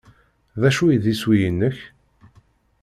D acu i d iswi-inek?